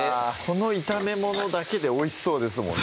この炒め物だけでおいしそうですもんね